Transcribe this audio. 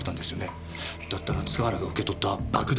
だったら塚原が受け取った爆弾の代金じゃ。